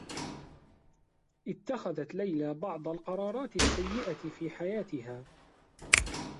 اتّخذت ليلى بعض القرارات السّيّئة في حياتها.